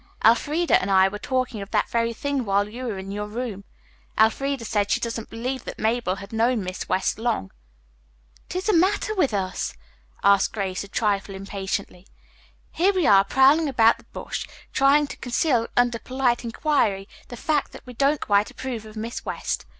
"Elfreda and I were talking of that very thing while you were in your room. Elfreda said she didn't believe that Mabel had known Miss West long." "What is the matter with us?" asked Grace, a trifle impatiently. "Here we are prowling about the bush, trying to conceal under polite inquiry the fact that we don't quite approve of Miss West.